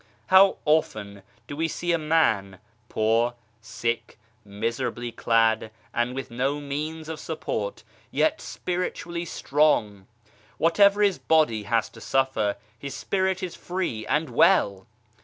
How often do we see a man, poor, sick, miserably clad, and with no means of support, yet spiritually strong. Whatever his body has to suffer, his spirit is free and well